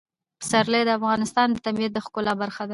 پسرلی د افغانستان د طبیعت د ښکلا برخه ده.